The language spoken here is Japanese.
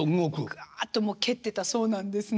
ぐわっともう蹴ってたそうなんです。